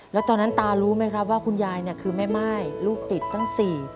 แล้วตอนนั้นตารู้ไหมครับว่าคุณยายเนี่ยคือแม่ม่ายลูกติดตั้งสี่